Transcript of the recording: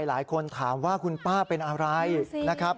หลายคนถามว่าคุณป้าเป็นอะไรนะครับ